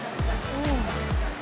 karena makan bubur kacang hijau